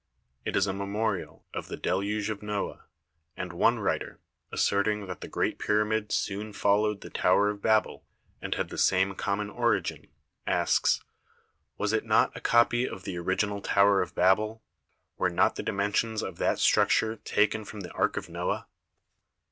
It is a memorial of the deluge of Noah, and one writer, asserting that the great pyramid soon followed the Tower of Babel, and had the same common origin, asks: 'Was it not a copy of the original Tower of Babel? Were not the dimensions of that structure taken from the ark of Noah?'